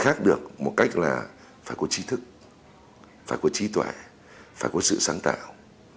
khác được một cách là phải có trí thức phải có trí tuệ phải có sự sáng tạo